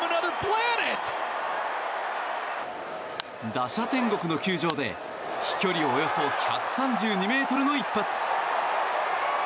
打者天国の球場で飛距離およそ１３２ｍの一発！